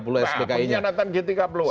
pengkhianatan g tiga puluh spki